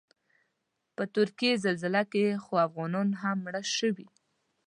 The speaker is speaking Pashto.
په ترکیې زلزله کې خو افغانان هم مړه شوي.